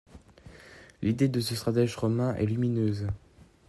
L'idée de ce stratège romain est lumineuse.